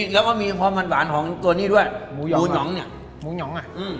แล้วก็มีความหวานของตัวนี้ด้วยหมูหองเนี่ยหมูหยองอ่ะ